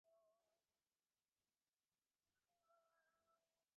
সে চুপ করিয়া বসিয়া জানলার বাহিরে চোখ রাখিয়া তাই ভাবিতে লাগিল।